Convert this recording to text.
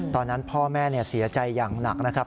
ตอนนั้นพ่อแม่เสียใจอย่างหนักนะครับ